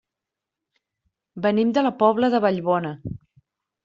Venim de la Pobla de Vallbona.